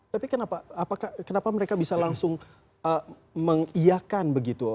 tapi kenapa mereka bisa langsung mengiakan begitu